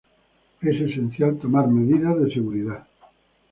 Es esencial tomar medidas de seguridad.